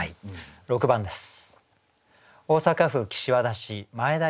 ６番です。